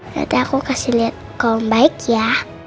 nanti aku kasih liat ke om baik ya